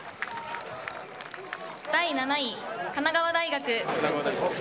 第７位、神奈川大学。